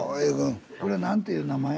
これ何ていう名前？